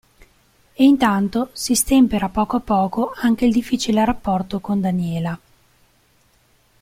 E intanto si stempera a poco a poco anche il difficile rapporto con Daniela.